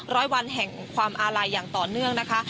ร้อยวันแห่งความอาลัยอย่างต่อเนื่องนะคะ